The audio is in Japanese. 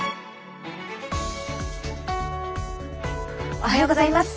おはようございます。